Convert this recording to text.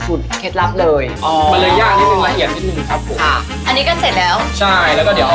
ประมาณนี้นะครับ